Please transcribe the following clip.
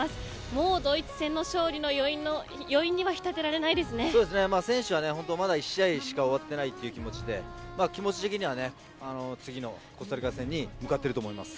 もうドイツ戦の勝利の余韻には選手はまだ１試合しか終わってないという気持ちで気持ち的には次のコスタリカ戦に向かっていると思います。